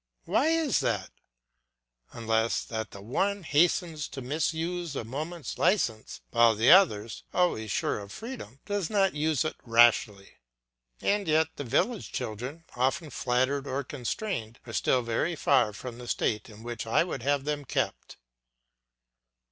Why is that, unless that the one hastens to misuse a moment's licence, while the other, always sure of freedom, does not use it rashly. And yet the village children, often flattered or constrained, are still very far from the state in which I would have them kept.